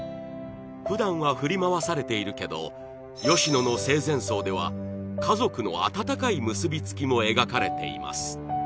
普段は振り回されているけど芳乃の生前葬では家族の温かい結びつきも描かれています